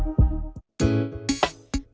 masakan asam pedas ikan tapah